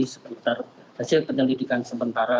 sebenarnya hasil penyelidikan sementara